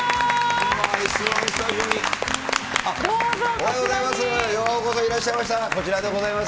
おはようございます。